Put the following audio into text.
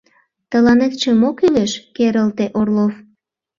— Тыланетше мо кӱлеш? — керылте Орлов.